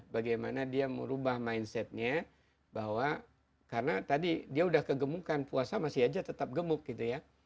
bagaimana dia merubah mindsetnya bahwa karena tadi dia udah kegemukan puasa masih aja tetap gemuk gitu ya